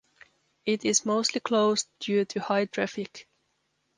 It is mostly closed due to high traffic.